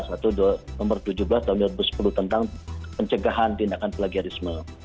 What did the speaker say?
satu nomor tujuh belas tahun dua ribu sepuluh tentang pencegahan tindakan plagiarisme